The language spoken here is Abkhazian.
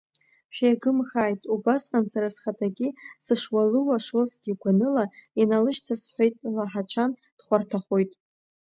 Шәеигымхааит, убасҟан сара схаҭагьы сышуалуашозгьы гәаныла иналышьҭасҳәаит, лаҳачан дхәарҭахоит!